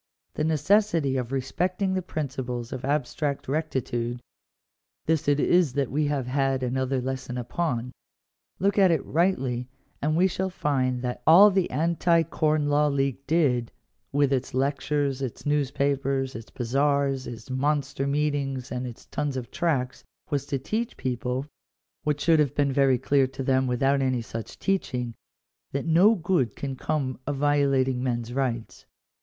The necessity of respecting the principles of abstract rectitude — this it is that we have had another lesson upon. Look at it rightly and we shall find that all the Anti Corn Law League did, with its lectures, its news papers, its bazaars, its monster meetings, and its tons of tracts, was to teach people — what should have been very clear to them without any such teaching — that no good can come of violating men's rights.